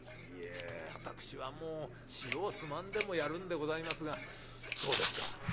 「いえ私はもう塩をつまんでもやるんでございますがそうですか。